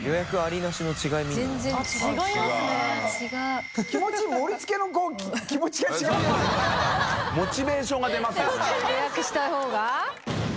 若槻）予約した方が？